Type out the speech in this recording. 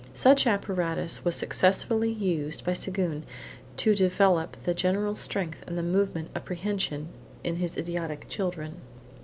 Such apparatus was successfully used by Séguin to develop the general strength and the movement of prehension in his idiotic children.